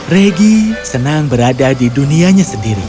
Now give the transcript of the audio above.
regi senang berada di dunianya sendiri